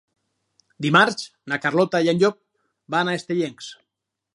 Dimarts na Carlota i en Llop van a Estellencs.